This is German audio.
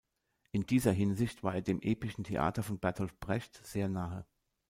In dieser Hinsicht war er dem epischen Theater von Bertolt Brecht sehr nahe.